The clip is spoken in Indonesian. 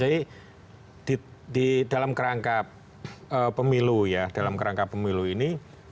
jadi di dalam kerangka pemilu ya dalam kerangka pemilu ini